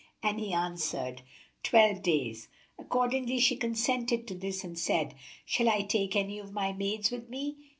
and he answered, "Twelve days." Accordingly she consented to this and said, "Shall I take any of my maids with me?"